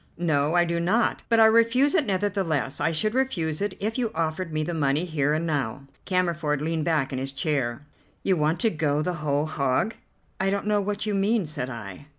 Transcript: "No, I do not, but I refuse it nevertheless. I should refuse it if you offered me the money here and now." Cammerford leaned back in his chair. "You want to go the whole hog?" "I don't know what you mean," said I.